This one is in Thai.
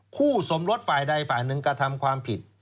คู่สมรสฝ่ายใดฝ่ายหนึ่งกระทำความผิด